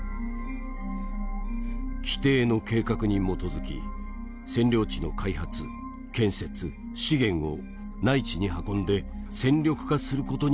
規定の計画に基づき占領地の開発建設資源を内地に運んで戦力化する事に専念する。